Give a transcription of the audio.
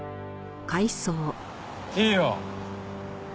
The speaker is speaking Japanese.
いいよ。